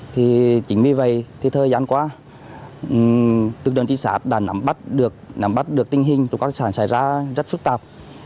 thì chính vì vậy thì thời gian qua tự đơn trị xã đã nắm bắt được tình hình trộm các tài sản xảy ra rất phức tạp